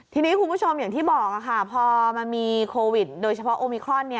ทีนี้คุณผู้ชมอย่างที่บอกค่ะพอมันมีโควิดโดยเฉพาะโอมิครอน